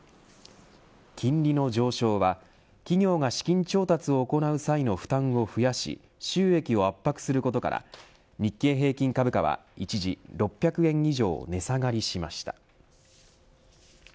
金利の上昇は、企業が資金調達を行う際の負担を増やし収益を圧迫することから日経平均株価は一時６００円以上値下がりしました。